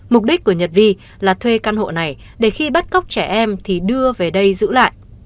mục đích của nhật vi là thuê căn hộ này để khi bắt cóc trẻ em thì đưa về đây giữ lại